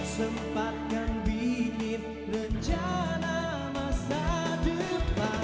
sempatkan bikin rencana masa depan